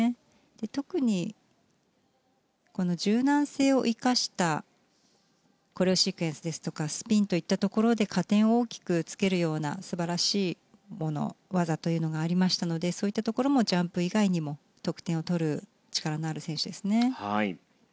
特にこの柔軟性を生かしたコレオシークエンスですとかスピンといったところで加点を大きくつけるような素晴らしいもの、技というのがありましたのでそういったところもジャンプ以外にも得点を取る力のある選手ですね。